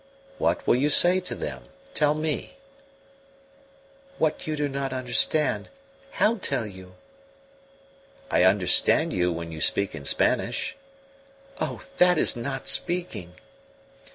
"What will you say to them? Tell me." "What you do not understand. How tell you?" "I understand you when you speak in Spanish." "Oh, that is not speaking."